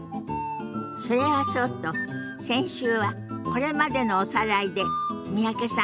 それはそうと先週はこれまでのおさらいで三宅さん